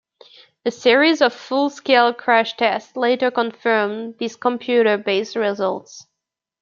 A series of full-scale crash tests later confirmed these computer-based results.